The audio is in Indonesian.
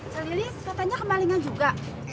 celilis katanya kemalingan juga